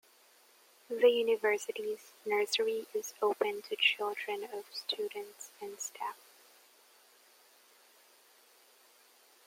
The university's nursery is open to children of students and staff.